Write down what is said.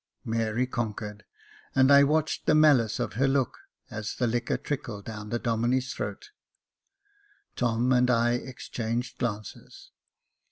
Mary conquered, and I watched the malice of her look as the liquor trickled down the Domine's throat. Tom and I exchanged glances.